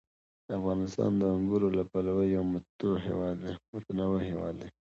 افغانستان د انګورو له پلوه یو متنوع هېواد دی.